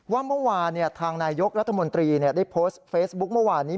ว่าเมื่อวานทางนายยกรัฐมนตรีได้โพสต์เฟซบุ๊คเมื่อวานนี้